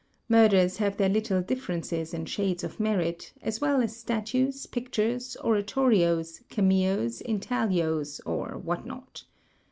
Murders have their little differences and shades of merit, as well as statues, pictures, oratorios, cameos, intaglios, or what not.